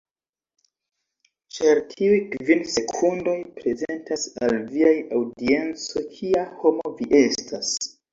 Ĉar tiuj kvin sekundoj, prezentas al viaj aŭdienco kia homo vi estas.